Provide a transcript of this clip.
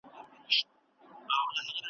کال په کال مو پسرلی بیرته راتللای ,